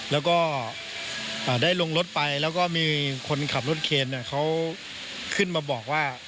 แล้วก็ได้ลงรถไปแล้วก็มีคนขับรถเคนเขาขึ้นมาบอกว่า